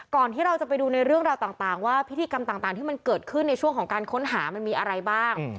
ที่เราจะไปดูในเรื่องราวต่างว่าพิธีกรรมต่างที่มันเกิดขึ้นในช่วงของการค้นหามันมีอะไรบ้าง